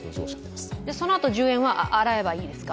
そのあと十円は洗えばいいですか？